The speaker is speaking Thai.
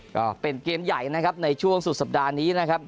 ก็เป็นเกมใหญ่นะครับในช่วงสุดสัปดาห์นี้นะครับ